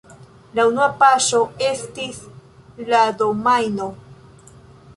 La unua paŝo estis la domajno.